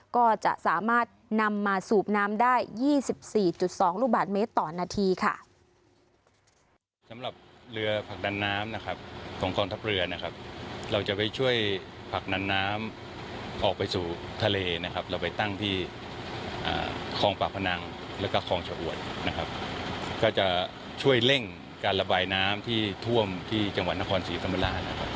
ก็จะสามารถนำมาสูบน้ำได้๒๔๒ลูกบาทเมตรต่อนาทีค่ะ